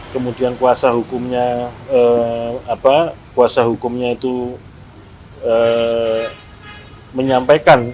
kemudian kuasa hukumnya itu menyampaikan